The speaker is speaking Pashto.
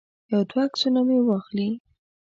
یو دوه عکسونه مې واخلي.